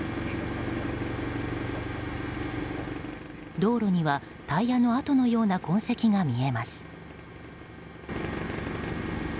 道路には、タイヤの跡のような痕跡が見えます。